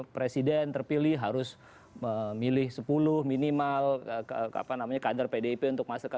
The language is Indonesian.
presiden terpilih harus memilih sepuluh minimal kader pdip untuk masuk ke